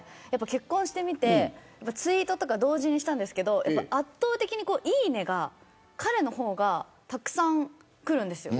結婚してみてツイートとか同時にしたんですけど圧倒的に、いいねが彼の方がたくさん、くるんですよ。